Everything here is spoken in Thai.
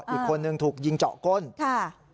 อีกคนนึงถูกยิงเจาะก้นค่ะ